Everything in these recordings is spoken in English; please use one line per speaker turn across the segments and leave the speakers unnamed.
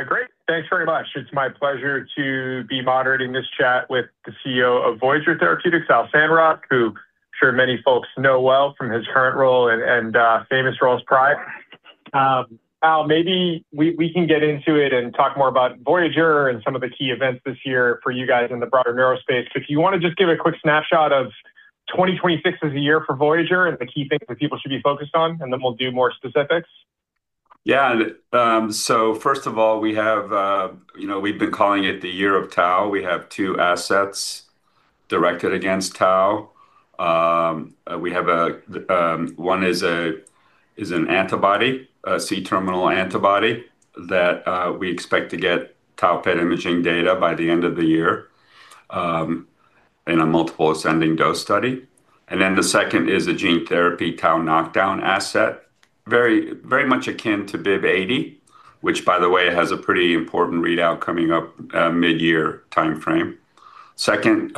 Great. Thanks very much. It's my pleasure to be moderating this chat with the CEO of Voyager Therapeutics, Al Sandrock, who I'm sure many folks know well from his current role and famous roles prior. Al, maybe we can get into it and talk more about Voyager and some of the key events this year for you guys in the broader neurospace. If you wanna just give a quick snapshot of 2026 as a year for Voyager and the key things that people should be focused on, and then we'll do more specifics.
Yeah. First of all, we have, you know, we've been calling it the Year of Tau. We have two assets directed against tau. One is an antibody, a C-terminal antibody that we expect to get tau PET imaging data by the end of the year in a multiple ascending dose study. Then the second is a gene therapy tau knockdown asset, very, very much akin to BIIB080, which, by the way, has a pretty important readout coming up mid-year timeframe. Second,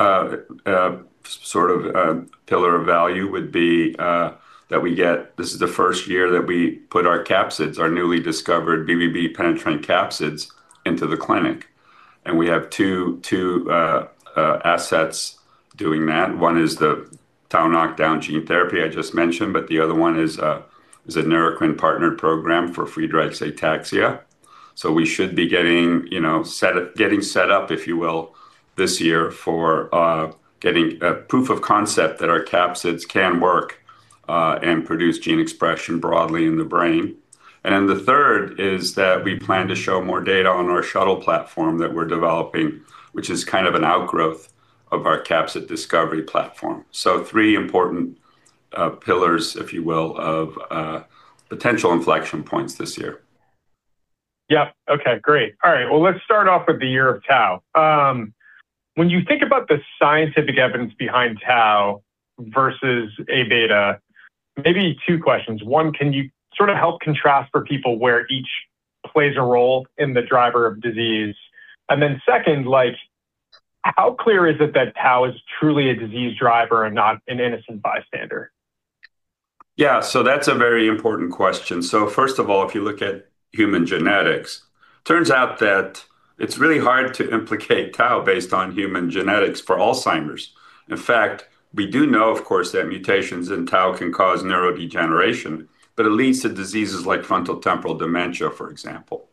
sort of, pillar of value would be, this is the first year that we put our capsids, our newly discovered BBB-penetrant capsids into the clinic. We have two assets doing that. One is the tau knockdown gene therapy I just mentioned, but the other one is a Neurocrine partnered program for Friedreich's ataxia. We should be getting, you know, getting set up, if you will, this year for getting a proof of concept that our capsids can work and produce gene expression broadly in the brain. The third is that we plan to show more data on our shuttle platform that we're developing, which is kind of an outgrowth of our capsid discovery platform. Three important pillars, if you will, of potential inflection points this year.
Yeah. Okay, great. All right. Well, let's start off with the Year of Tau. When you think about the scientific evidence behind tau versus A-beta, maybe two questions. One, can you sort of help contrast for people where each plays a role in the driver of disease? Second, like, how clear is it that tau is truly a disease driver and not an innocent bystander?
Yeah. That's a very important question. First of all, if you look at human genetics, turns out that it's really hard to implicate tau based on human genetics for Alzheimer's. In fact, we do know, of course, that mutations in tau can cause neurodegeneration, but it leads to diseases like frontotemporal dementia, for example.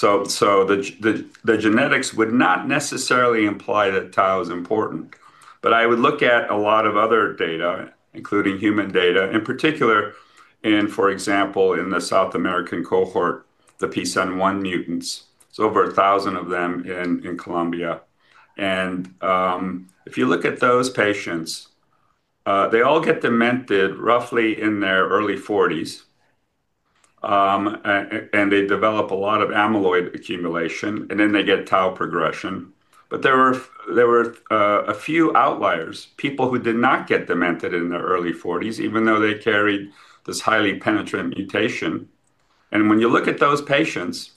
The genetics would not necessarily imply that tau is important. I would look at a lot of other data, including human data, in particular, and for example, in the South American cohort, the PSEN1 mutants. There's over 1,000 of them in Colombia. If you look at those patients, they all get demented roughly in their early 40s. They develop a lot of amyloid accumulation, and then they get tau progression. There were a few outliers, people who did not get demented in their early 40s, even though they carried this highly penetrant mutation. When you look at those patients,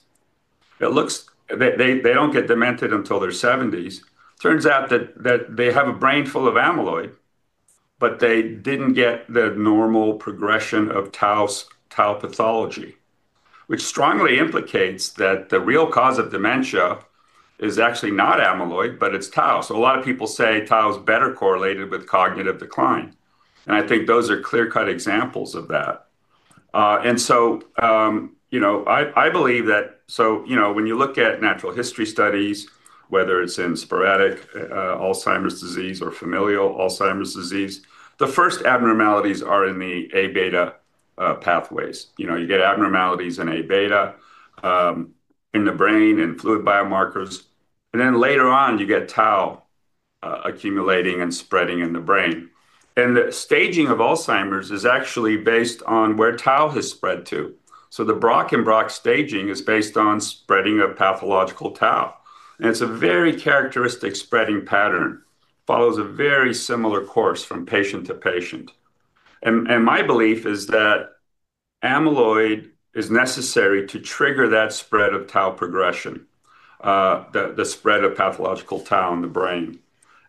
it looks, they don't get demented until their 70s. Turns out that they have a brain full of amyloid, but they didn't get the normal progression of tau pathology, which strongly implicates that the real cause of dementia is actually not amyloid, but it's tau. A lot of people say tau is better correlated with cognitive decline, and I think those are clear-cut examples of that. You know, when you look at natural history studies, whether it's in sporadic Alzheimer's disease or familial Alzheimer's disease, the first abnormalities are in the A-beta pathways. You know, you get abnormalities in A-beta, in the brain and fluid biomarkers, and then later on, you get tau, accumulating and spreading in the brain. The staging of Alzheimer's is actually based on where tau has spread to. The Braak and Braak staging is based on spreading of pathological tau. It's a very characteristic spreading pattern, follows a very similar course from patient to patient. My belief is that amyloid is necessary to trigger that spread of tau progression, the spread of pathological tau in the brain.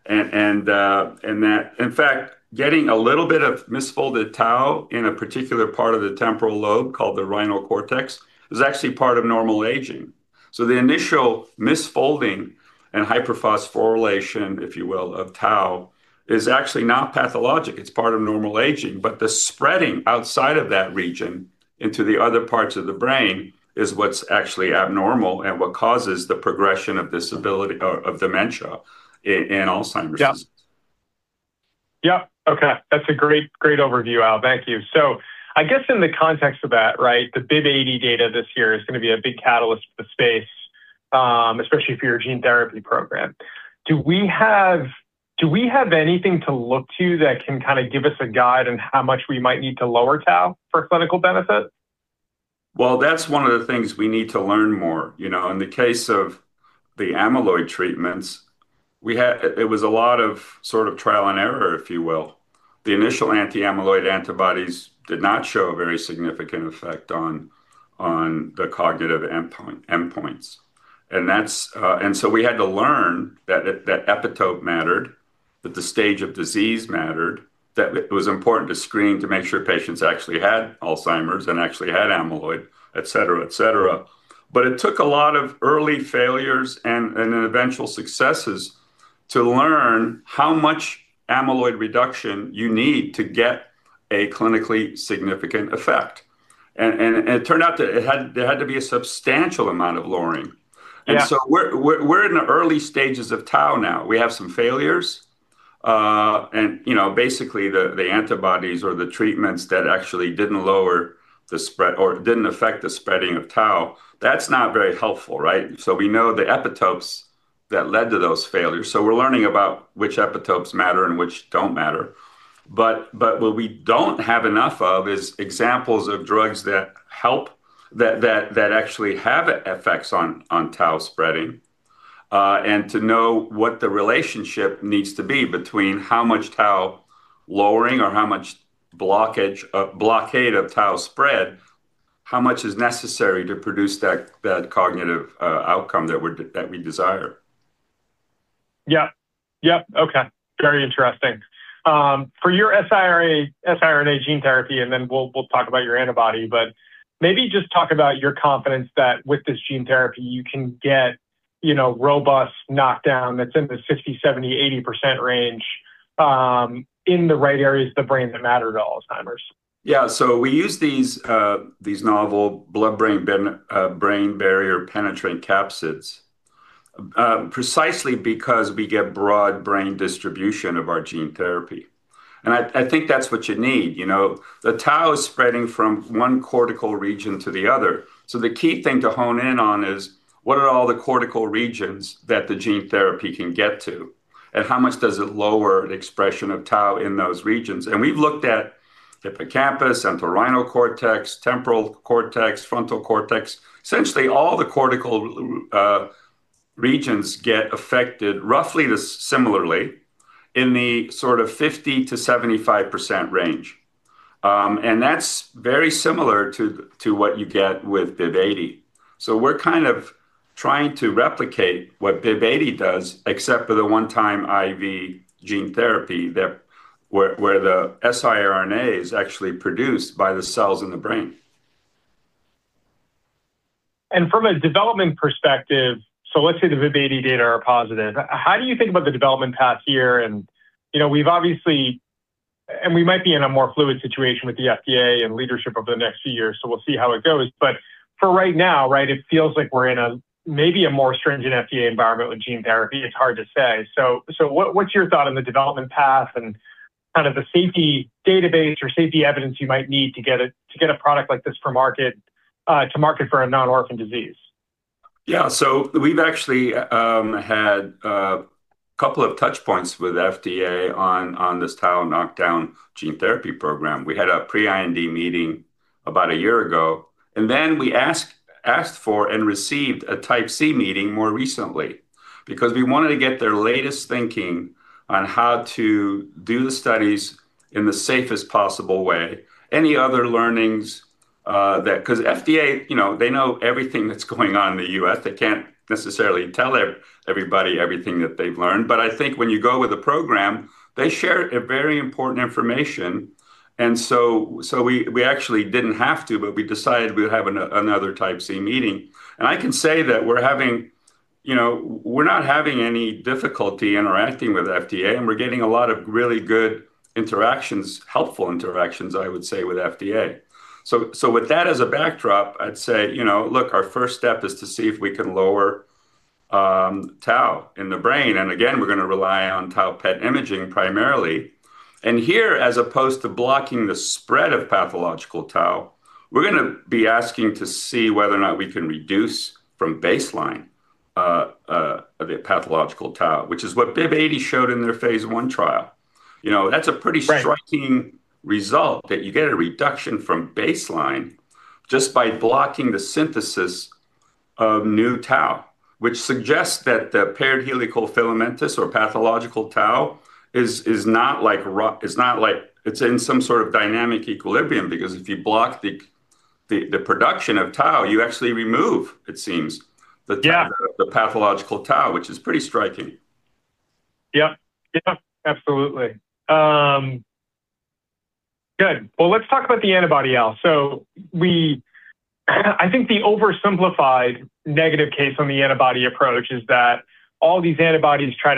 In fact, getting a little bit of misfolded tau in a particular part of the temporal lobe called the rhinal cortex is actually part of normal aging. The initial misfolding and hyperphosphorylation, if you will, of tau is actually not pathologic. It's part of normal aging. The spreading outside of that region into the other parts of the brain is what's actually abnormal and what causes the progression of disability of dementia in Alzheimer's disease.
Yeah. Okay. That's a great overview, Al. Thank you. I guess in the context of that, right, the BIIB080 data this year is gonna be a big catalyst for the space, especially for your gene therapy program. Do we have anything to look to that can kind of give us a guide on how much we might need to lower tau for clinical benefit?
Well, that's one of the things we need to learn more. You know, in the case of the amyloid treatments, it was a lot of sort of trial and error, if you will. The initial anti-amyloid antibodies did not show a very significant effect on the cognitive endpoints. That's, and so we had to learn that epitope mattered. That the stage of disease mattered, that it was important to screen to make sure patients actually had Alzheimer's and actually had amyloid, et cetera, et cetera. It took a lot of early failures and then eventual successes to learn how much amyloid reduction you need to get a clinically significant effect. It turned out that there had to be a substantial amount of lowering.
Yeah.
We're in the early stages of tau now. We have some failures, you know, basically the antibodies or the treatments that actually didn't lower the spread or didn't affect the spreading of tau, that's not very helpful, right? We know the epitopes that led to those failures, so we're learning about which epitopes matter and which don't matter. What we don't have enough of is examples of drugs that help that actually have effects on tau spreading, and to know what the relationship needs to be between how much tau lowering or how much blockade of tau spread, how much is necessary to produce that cognitive outcome that we desire.
Yeah. Yep, okay. Very interesting. For your siRNA gene therapy, and then we'll talk about your antibody, but maybe just talk about your confidence that with this gene therapy you can get, you know, robust knockdown that's in the 60%, 70%, 80% range, in the right areas of the brain that matter to Alzheimer's.
Yeah. We use these novel blood-brain barrier-penetrant capsids, precisely because we get broad brain distribution of our gene therapy, and I think that's what you need. You know, the tau is spreading from one cortical region to the other, so the key thing to hone in on is what are all the cortical regions that the gene therapy can get to, and how much does it lower the expression of tau in those regions? We've looked at the hippocampus, entorhinal cortex, temporal cortex, frontal cortex. Essentially all the cortical regions get affected roughly this similarly in the sort of 50%-75% range, and that's very similar to what you get with BIIB080. We're kind of trying to replicate what BIIB080 does, except for the one-time IV gene therapy that where the siRNA is actually produced by the cells in the brain.
From a development perspective, so let's say the BIIB080 data are positive. How do you think about the development path here? You know, we might be in a more fluid situation with the FDA and leadership over the next few years, so we'll see how it goes. For right now, right, it feels like we're in a maybe a more stringent FDA environment with gene therapy. It's hard to say. What, what's your thought on the development path and kind of the safety database or safety evidence you might need to get a product like this for market, to market for a non-orphan disease?
Yeah. We've actually had a couple of touch points with FDA on this tau knockdown gene therapy program. We had a pre-IND meeting about a year ago, and then we asked for and received a Type C meeting more recently because we wanted to get their latest thinking on how to do the studies in the safest possible way. Any other learnings cause FDA, you know, they know everything that's going on in the U.S. They can't necessarily tell everybody everything that they've learned. But I think when you go with a program, they share a very important information. We actually didn't have to, but we decided we'd have another Type C meeting. I can say that we're having, you know, we're not having any difficulty interacting with FDA, and we're getting a lot of really good interactions, helpful interactions, I would say, with FDA. So with that as a backdrop, I'd say, you know, look, our first step is to see if we can lower tau in the brain, and again, we're gonna rely on tau PET imaging primarily. Here, as opposed to blocking the spread of pathological tau, we're gonna be asking to see whether or not we can reduce from baseline the pathological tau, which is what BIIB080 showed in their phase I trial. You know, that's a pretty.
Right
Striking result that you get a reduction from baseline just by blocking the synthesis of new tau, which suggests that the paired helical filaments or pathological tau is it's not like it's in some sort of dynamic equilibrium because if you block the production of tau, you actually remove, it seems, the tau.
Yeah
The pathological tau, which is pretty striking.
Yep. Yep, absolutely. Good. Well, let's talk about the antibody, Al. I think the oversimplified negative case on the antibody approach is that all these antibodies try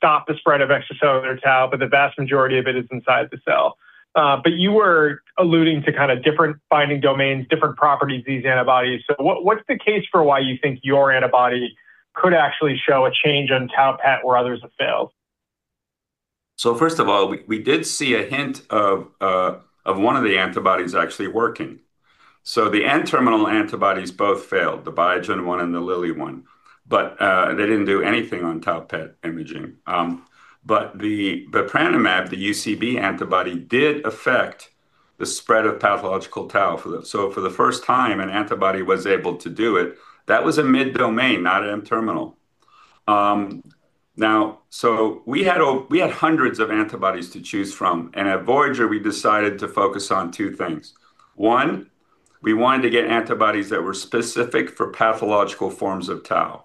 to stop the spread of extracellular tau, but the vast majority of it is inside the cell. But you were alluding to kind of different binding domains, different properties of these antibodies. What's the case for why you think your antibody could actually show a change on tau PET where others have failed?
First of all, we did see a hint of one of the antibodies actually working. The N-terminal antibodies both failed, the Biogen one and the Lilly one. They didn't do anything on tau PET imaging. The bepranemab, the UCB antibody, did affect the spread of pathological tau for the. For the first time, an antibody was able to do it. That was a mid-domain, not an N-terminal. Now we had hundreds of antibodies to choose from, and at Voyager we decided to focus on two things. One, we wanted to get antibodies that were specific for pathological forms of tau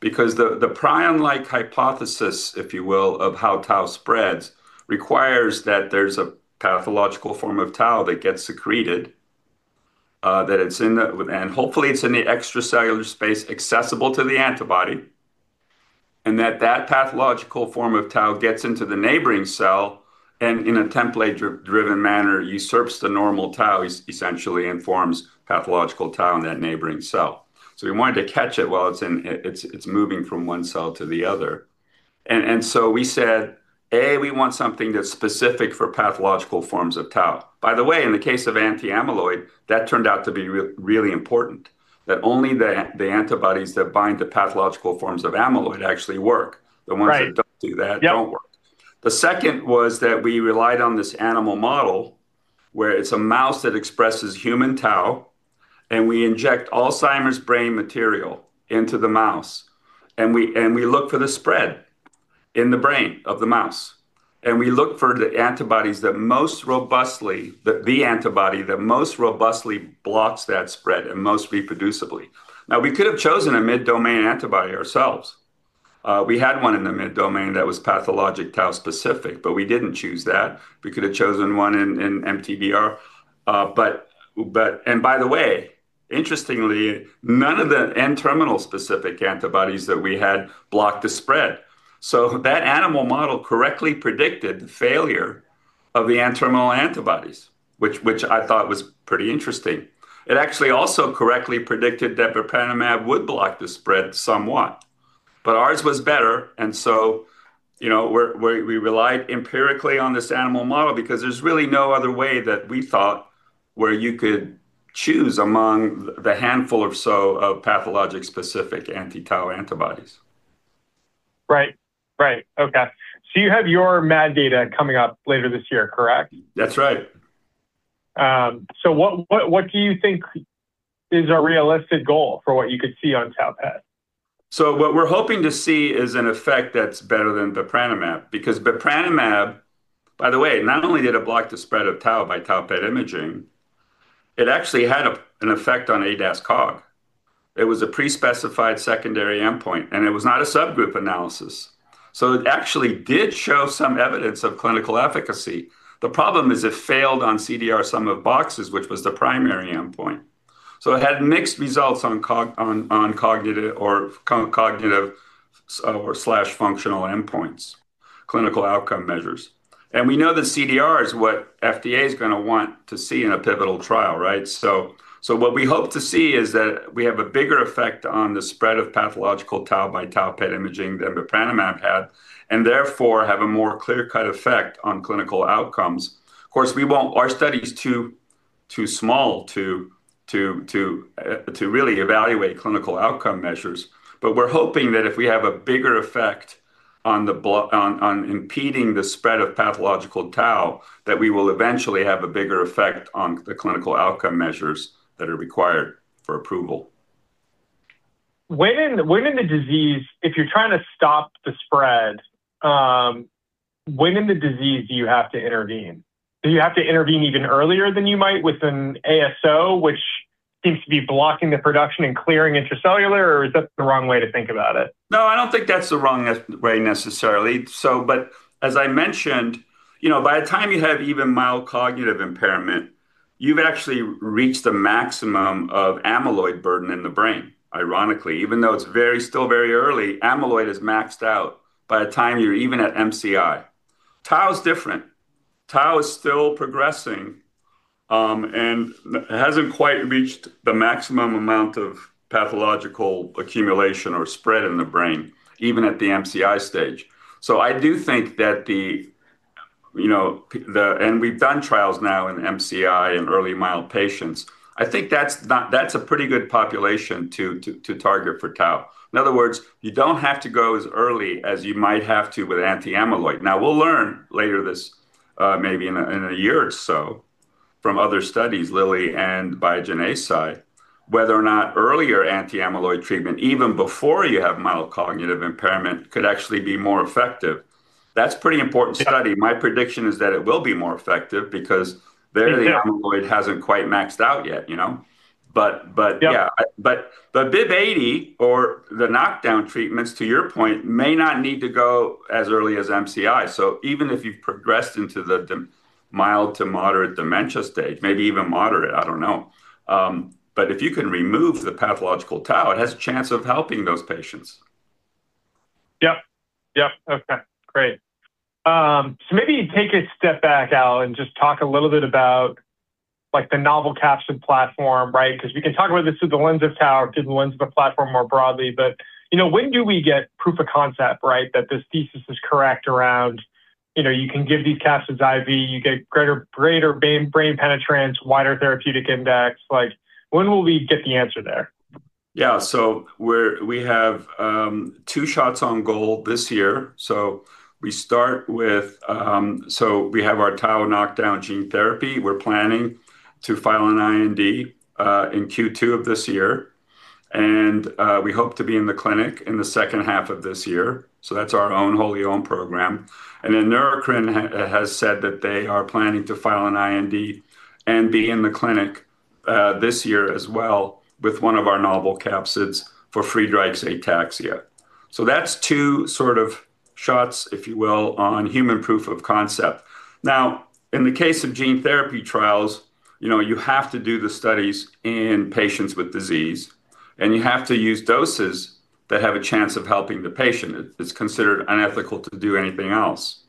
because the prion-like hypothesis, if you will, of how tau spreads requires that there's a pathological form of tau that gets secreted, that it's in the. Hopefully it's in the extracellular space accessible to the antibody, and that pathological form of tau gets into the neighboring cell and in a template-driven manner, usurps the normal tau essentially and forms pathological tau in that neighboring cell. We wanted to catch it while it's moving from one cell to the other. We said, A, we want something that's specific for pathological forms of tau. By the way, in the case of anti-amyloid, that turned out to be really important, that only the antibodies that bind the pathological forms of amyloid actually work.
Right.
The ones that don't do that don't work.
Yep.
The second was that we relied on this animal model where it's a mouse that expresses human tau and we inject Alzheimer's brain material into the mouse, and we look for the spread in the brain of the mouse, and we look for the antibodies that most robustly the antibody that most robustly blocks that spread and most reproducibly. Now we could have chosen a mid-domain antibody ourselves. We had one in the mid-domain that was pathologic tau specific, but we didn't choose that. We could have chosen one in MTBR. But and by the way, interestingly, none of the N-terminal specific antibodies that we had blocked the spread. That animal model correctly predicted failure of the N-terminal antibodies, which I thought was pretty interesting. It actually also correctly predicted that bepranemab would block the spread somewhat, but ours was better and so, you know, we relied empirically on this animal model because there's really no other way that we thought where you could choose among the handful or so of pathologic specific anti-tau antibodies.
Right. Okay. You have your MAD data coming up later this year, correct?
That's right.
What do you think is a realistic goal for what you could see on tau PET?
What we're hoping to see is an effect that's better than bepranemab because bepranemab, by the way, not only did it block the spread of tau by tau PET imaging, it actually had an effect on ADAS-Cog. It was a pre-specified secondary endpoint, and it was not a subgroup analysis, so it actually did show some evidence of clinical efficacy. The problem is it failed on CDR Sum of Boxes, which was the primary endpoint. It had mixed results on cog, cognitive or co-cognitive or slash functional endpoints, clinical outcome measures. We know that CDR is what FDA is gonna want to see in a pivotal trial, right? What we hope to see is that we have a bigger effect on the spread of pathological tau by tau PET imaging than bepranemab had, and therefore have a more clear-cut effect on clinical outcomes. Of course, our study is too small to really evaluate clinical outcome measures. We're hoping that if we have a bigger effect on impeding the spread of pathological tau, that we will eventually have a bigger effect on the clinical outcome measures that are required for approval.
When in the disease, if you're trying to stop the spread, when in the disease do you have to intervene? Do you have to intervene even earlier than you might with an ASO, which seems to be blocking the production and clearing intracellular, or is that the wrong way to think about it?
No, I don't think that's the wrong way necessarily. As I mentioned, you know, by the time you have even mild cognitive impairment, you've actually reached the maximum of amyloid burden in the brain, ironically. Even though it's very, still very early, amyloid is maxed out by the time you're even at MCI. Tau is different. Tau is still progressing and hasn't quite reached the maximum amount of pathological accumulation or spread in the brain, even at the MCI stage. I do think that we've done trials now in MCI and early mild patients. I think that's a pretty good population to target for tau. In other words, you don't have to go as early as you might have to with anti-amyloid. Now we'll learn later this year, maybe in a year or so from other studies, Lilly and Biogen, Eisai, whether or not earlier anti-amyloid treatment, even before you have mild cognitive impairment, could actually be more effective. That's a pretty important study. My prediction is that it will be more effective.
Yeah
Amyloid hasn't quite maxed out yet, you know. Yeah.
Yeah.
BIIB080 or the knockdown treatments, to your point, may not need to go as early as MCI. Even if you've progressed into the mild to moderate dementia stage, maybe even moderate, I don't know, but if you can remove the pathological tau, it has a chance of helping those patients.
Yep. Okay. Great. Maybe take a step back, Al, and just talk a little bit about like the novel capsid platform, right? Cause we can talk about this through the lens of tau, through the lens of a platform more broadly. You know, when do we get proof of concept, right? That this thesis is correct around, you know, you can give these capsids IV, you get greater brain penetrance, wider therapeutic index. Like when will we get the answer there?
We have two shots on goal this year. We have our tau knockdown gene therapy. We're planning to file an IND in Q2 of this year. We hope to be in the clinic in the second half of this year, so that's our own wholly owned program. Neurocrine has said that they are planning to file an IND and be in the clinic this year as well with one of our novel capsids for Friedreich's ataxia. That's two sort of shots, if you will, on human proof of concept. In the case of gene therapy trials, you know, you have to do the studies in patients with disease, and you have to use doses that have a chance of helping the patient. It's considered unethical to do anything else.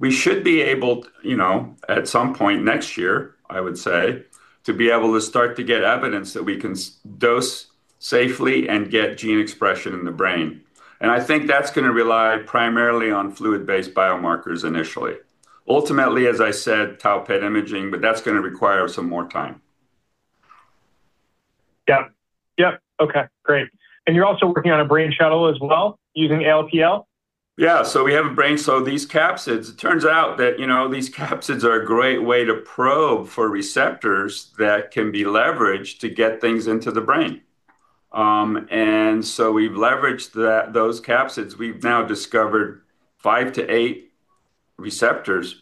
We should be able, you know, at some point next year, I would say, to be able to start to get evidence that we can dose safely and get gene expression in the brain. I think that's gonna rely primarily on fluid-based biomarkers initially. Ultimately, as I said, tau PET imaging, but that's gonna require some more time.
Yeah. Yep. Okay. Great. You're also working on a brain shuttle as well using ALPL?
These capsids, it turns out that, you know, these capsids are a great way to probe for receptors that can be leveraged to get things into the brain. We've leveraged that, those capsids. We've now discovered five to eight receptors.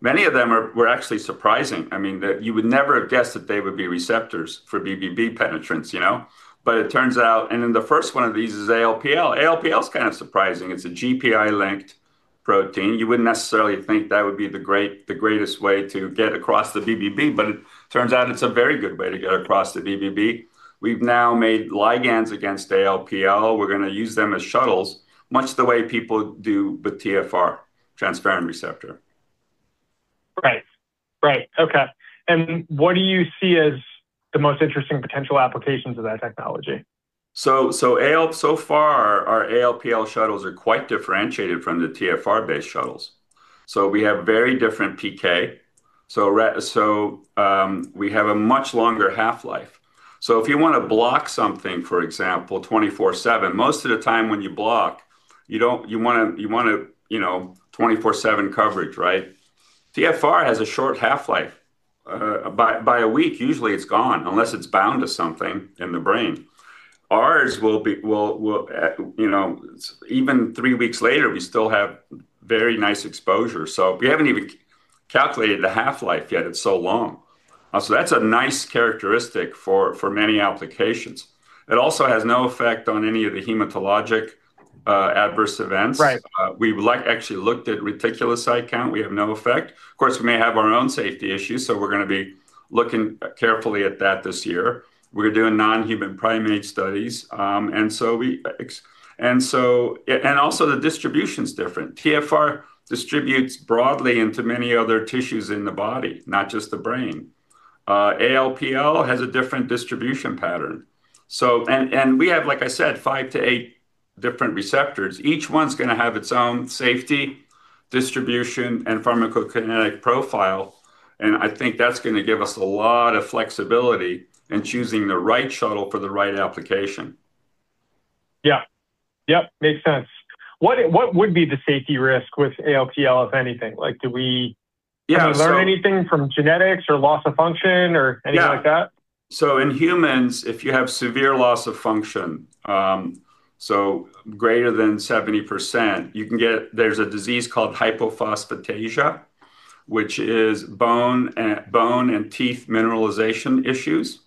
Many of them were actually surprising. I mean, you would never have guessed that they would be receptors for BBB penetrants, you know? It turns out. Then the first one of these is ALPL. ALPL is kind of surprising. It's a GPI-linked protein. You wouldn't necessarily think that would be the greatest way to get across the BBB, but it turns out it's a very good way to get across the BBB. We've now made ligands against ALPL. We're gonna use them as shuttles, much the way people do with TfR, transferrin receptor.
Right. Okay. What do you see as the most interesting potential applications of that technology?
So far, our ALPL shuttles are quite differentiated from the TfR-based shuttles. We have very different PK. We have a much longer half-life. If you wanna block something, for example, 24/7, most of the time when you block, you wanna 24/7 coverage, right? TfR has a short half-life. By a week, usually it's gone, unless it's bound to something in the brain. Ours will be even three weeks later, we still have very nice exposure. We haven't even calculated the half-life yet. It's so long. That's a nice characteristic for many applications. It also has no effect on any of the hematologic adverse events.
Right.
Actually looked at reticulocyte count. We have no effect. Of course, we may have our own safety issues, so we're gonna be looking carefully at that this year. We're doing non-human primate studies, and also the distribution's different. TfR distributes broadly into many other tissues in the body, not just the brain. ALPL has a different distribution pattern. So, we have, like I said, five to eight different receptors. Each one's gonna have its own safety, distribution, and pharmacokinetic profile, and I think that's gonna give us a lot of flexibility in choosing the right shuttle for the right application.
Yeah. Yep. Makes sense. What would be the safety risk with ALPL, if anything? Like, do we-
Yeah.
Kind of learn anything from genetics or loss of function or anything like that?
Yeah. In humans, if you have severe loss of function, greater than 70%, you can get, there's a disease called hypophosphatasia, which is bone and teeth mineralization issues.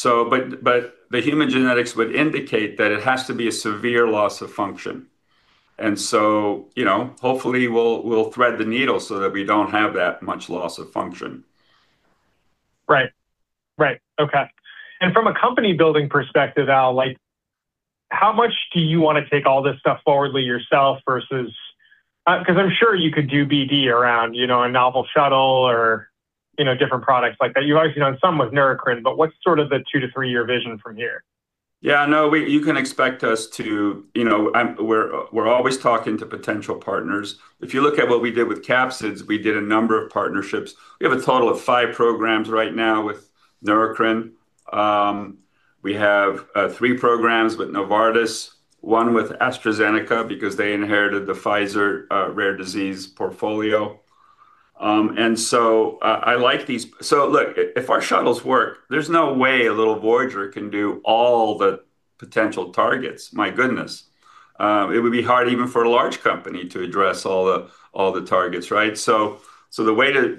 But the human genetics would indicate that it has to be a severe loss of function. You know, hopefully we'll thread the needle so that we don't have that much loss of function.
Right. Okay. From a company building perspective, Al, like how much do you wanna take all this stuff forwardly yourself versus, because I'm sure you could do BD around, you know, a novel shuttle or, you know, different products like that. You've already done some with Neurocrine, but what's sort of the two to three-year vision from here?
Yeah. No. You can expect us to, you know, we're always talking to potential partners. If you look at what we did with capsids, we did a number of partnerships. We have a total of five programs right now with Neurocrine. We have three programs with Novartis, one with AstraZeneca because they inherited the Pfizer rare disease portfolio. I like these. Look, if our shuttles work, there's no way a little Voyager can do all the potential targets. My goodness. It would be hard even for a large company to address all the targets, right? The way to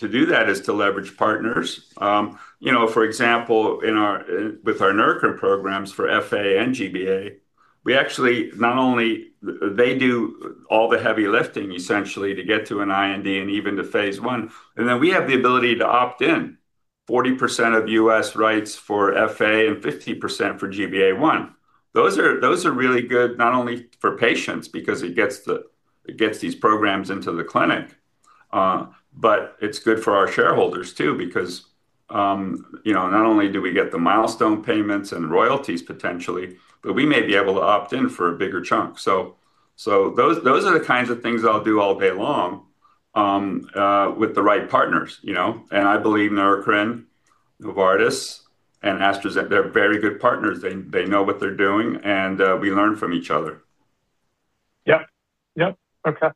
do that is to leverage partners. You know, for example, with our Neurocrine programs for FA and GBA, we actually, they do all the heavy lifting essentially to get to an IND and even to phase I, and then we have the ability to opt in 40% of U.S. rights for FA and 50% for GBA1. Those are really good not only for patients because it gets these programs into the clinic, but it's good for our shareholders too because, you know, not only do we get the milestone payments and royalties potentially, but we may be able to opt in for a bigger chunk. Those are the kinds of things I'll do all day long with the right partners, you know? I believe Neurocrine, Novartis, and AstraZeneca, they're very good partners. They know what they're doing, and we learn from each other.
Yep. Okay.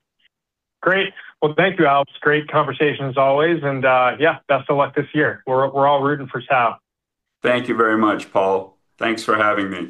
Great. Well, thank you, Al. Great conversation as always, and yeah, best of luck this year. We're all rooting for Tau.
Thank you very much, Paul. Thanks for having me.